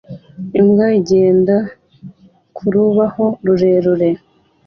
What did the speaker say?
Imbwa igenda ku rubaho rurerure